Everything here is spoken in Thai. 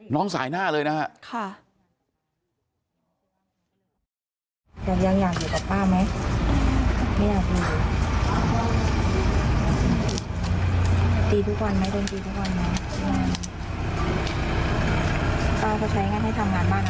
น้องสายหน้าเลยนะครับค่ะ